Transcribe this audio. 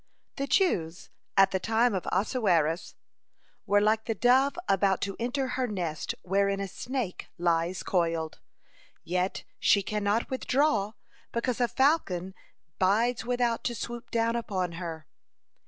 (1) The Jews at the time of Ahaseurus were like the dove about to enter her nest wherein a snake lies coiled. Yet she cannot withdraw, because a falcon bides without to swoop down upon her.